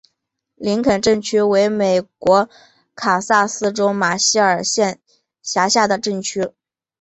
林肯镇区为美国堪萨斯州马歇尔县辖下的镇区。